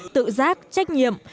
tự giác trách nhiệm